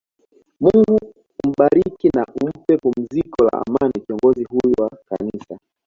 Mungu umbariki na umpe pumziko la Amani kiongozi huyu wa kanisa